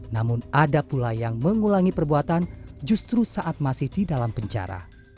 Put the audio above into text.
namun ada pula yang mengulangi perbuatan justru saat masih di dalam penjara